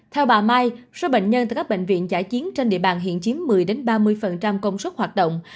theo bà mai số bệnh nhân từ các bệnh viện giải chiến trên địa bàn hiện chiếm một mươi ba mươi công suất hoạt động